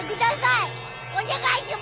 お願いします。